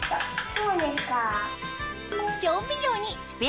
そうですか。